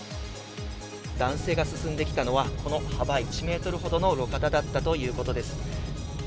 男性が進んできたのはこの幅１ｍほどの路肩だったということです。